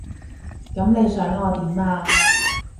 噉你想我點啊？